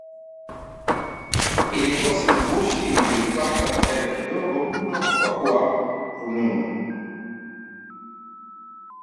Ilikuwa simu ghushi niliyoipata kwa hela kidogo mno kwa kuwa rununu